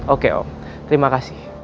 oke om terima kasih